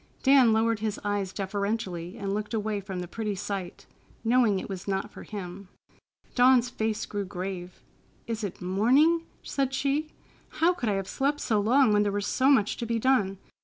Dan lowered his eyes deferentially and looked away from the pretty sight, knowing it was not for him. Dawn's face grew grave. "Is it morning?" said she. "How could I have slept so long when there was so much to be done!